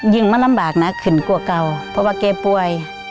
ยิ่งมันนำบากนะขึ้นกูกัวเพราะว่าเก็บป่วย